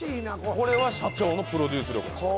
これは社長のプロデュース力なんです